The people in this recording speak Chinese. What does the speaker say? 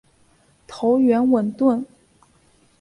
头圆吻钝。